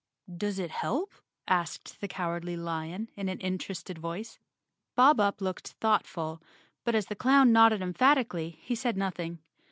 "Does it help?" asked the Cowardly Lion in an interested voice. Bob Up looked thoughtful, but as the clown nodded emphatically, he said nothing.